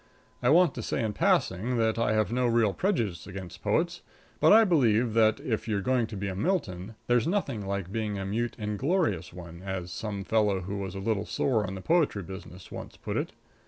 I want to say in passing that I have no real prejudice against poets, but I believe that, if you're going to be a Milton, there's nothing like being a mute, inglorious one, as some fellow who was a little sore on the poetry business once put it.